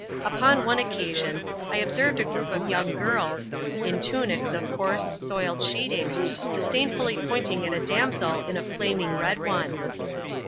Upon one occasion, I observed a group of young girls, in tunics of coarse, soiled sheeting, disdainfully pointing at a damsel in a flaming red one.